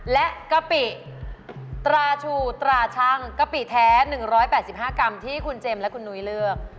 และกะปิราชูตราชั่งกะปิแท้๑๘๕กรัมที่คุณเจมส์และคุณนุ้ยเลือก